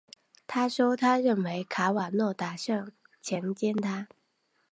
她说她认为卡瓦诺打算强奸她。